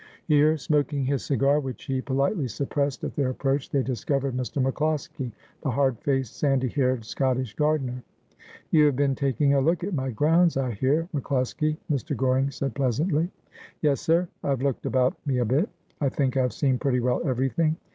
Here, smoking his cigar, which he politely suppressed at their approach, they discovered Mr. MacCloskie, the hard faced, sandy haired Scottish gardener. ' You have been taking a look at my grounds, I hear, Mac Closkie,' Mr. Goring said pleasantly. 120 Asphodel. ' Yes, sir ; I've looked about me a bit. I think I've seen pretty well everything.'